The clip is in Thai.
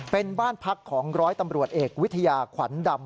เป็นบ้านพักของร้อยตำรวจเอกวิทยาขวัญดำ